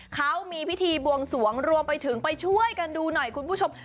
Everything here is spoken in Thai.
เขามีพิธีบวงสวงรวมไปถึงไปช่วยกันดูหน่อยคุณผู้ชม